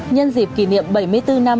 nhân dịp kỷ niệm bảy mươi bốn năm